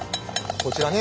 こちらね